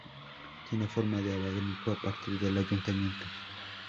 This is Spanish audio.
Tiene forma de abanico, a partir del ayuntamiento.